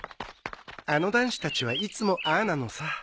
あの男子たちはいつもああなのさ。